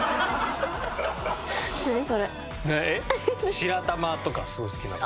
白玉とかすごい好きなの。